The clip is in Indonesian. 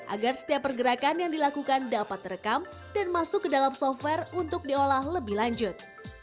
agar setiap pergerakan yang dilakukan dapat terekam dan masuk ke dalam software untuk diolah lebih lanjut